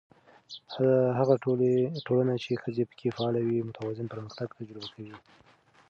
هغه ټولنه چې ښځې پکې فعاله وي، متوازن پرمختګ تجربه کوي.